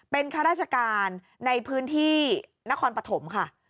เป็นข้าราชการในพื้นที่นครปฐมค่ะ